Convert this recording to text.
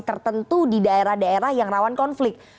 tertentu di daerah daerah yang rawan konflik